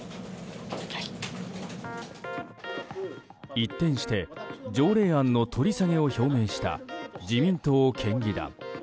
一転して条例案の取り下げを表明した自民党県議団。